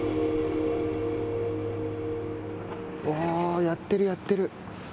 おお、やってる、やってる。